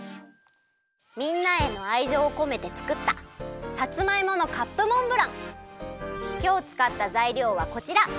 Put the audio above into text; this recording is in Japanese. みんなへのあいじょうをこめてつくったきょうつかったざいりょうはこちら。